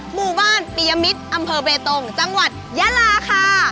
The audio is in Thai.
หมู่บ้านปียมิตรอำเภอเบตงจังหวัดยาลาค่ะ